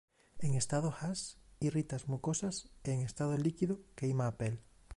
En estado gas irrita as mucosas e en estado líquido queima a pel.